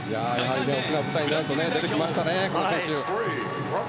大きな舞台になると出てきましたね、この選手。